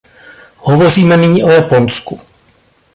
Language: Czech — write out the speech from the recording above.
Hovoříme nyní o Japonsku.